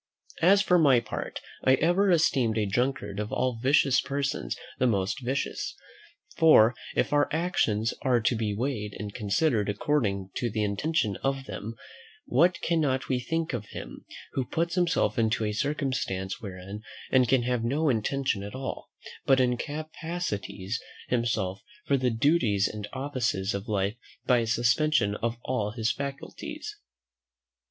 As for my part, I ever esteemed a drunkard of all vicious persons the most vicious: for if our actions are to be weighed and considered according to the intention of them, what cannot we think of him, who puts himself into a circumstance wherein he can have no intention at all, but incapacitates himself for the duties and offices of life by a suspension of all his faculties?